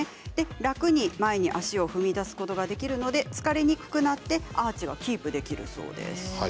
楽に前に足を踏み出すことができるので疲れにくくなってアーチをキープできるそうです。